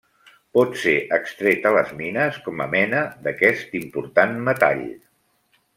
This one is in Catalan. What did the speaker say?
Pot ser extret a les mines com a mena d'aquest important metall.